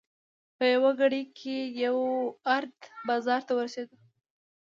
په یوه ګړۍ کې یو ارت بازار ته ورسېدو.